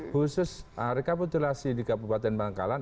khusus rekapitulasi di kabupaten bangkalan